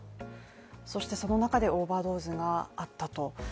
そして、その中でオーバードーズがあったと。